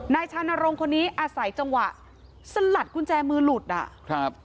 ชานรงค์คนนี้อาศัยจังหวะสลัดกุญแจมือหลุดอ่ะครับ